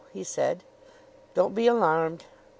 he said. "Don't be alarmed."